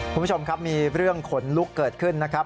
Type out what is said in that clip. คุณผู้ชมครับมีเรื่องขนลุกเกิดขึ้นนะครับ